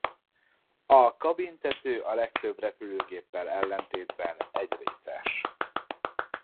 A kabintető a legtöbb repülőgéppel ellentétben egyrészes.